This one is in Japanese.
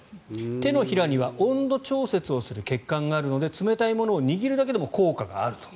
手のひらには温度調節をする血管があるので冷たいものを握るだけでも効果があると。